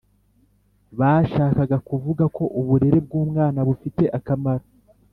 bashakaga kuvuga ko uburere bw’umwana bufite akamaro